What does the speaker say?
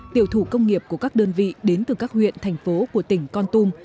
tiểu thủ công nghiệp của các đơn vị đến từ các huyện thành phố của tỉnh con tum